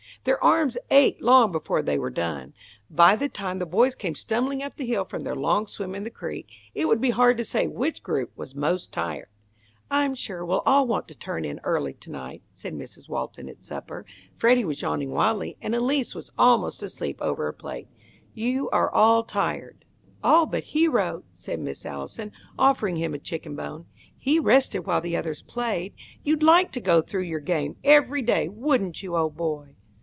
Their arms ached long before they were done. By the time the boys came stumbling up the hill from their long swim in the creek, it would be hard to say which group was most tired. "I'm sure we'll all want to turn in early to night," said Mrs. Walton at supper. Freddy was yawning widely, and Elise was almost asleep over her plate. "You are all tired." "All but Hero," said Miss Allison, offering him a chicken bone. "He rested while the others played. You'd like to go through your game every day. Wouldn't you, old boy?"